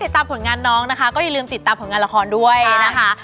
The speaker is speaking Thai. ตามผลงานน้องนะคะก็อย่าลืมติดตามผลงานละครด้วยนะคะ